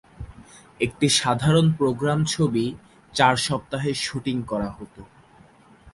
একটি সাধারণ প্রোগ্রাম ছবি চার সপ্তাহে শুটিং করা হতো।